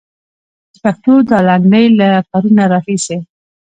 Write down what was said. د پښتو دا لنډۍ له پرونه راهيسې.